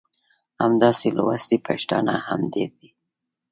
همداسې لوستي پښتانه هم ډېر دي.